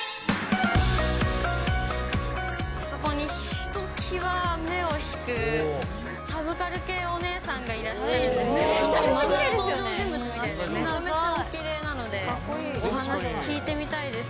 そこにひときわ目を引く、サブカル系お姉さんがいらっしゃるんですけれども、本当に漫画の登場人物みたいでめちゃめちゃおきれいなので、お話聞いてみたいです。